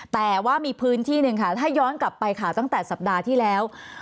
แต่ว่ามีพื้นที่หนึ่งค่ะถ้าย้อนกลับไปค่ะตั้งแต่สัปดาห์ที่แล้ว